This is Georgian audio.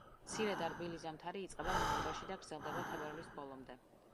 მცირე და რბილი ზამთარი იწყება ნოემბერში და გრძელდება თებერვლის ბოლომდე.